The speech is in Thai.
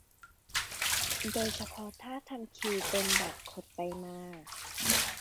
โดยเฉพาะถ้าทำคิวเป็นแบบขดไปมา